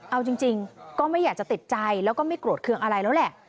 เอาจริงก็ไม่อยากจะติดใจแล้วก็ไม่โกรธเครื่องอะไรแล้วแหละ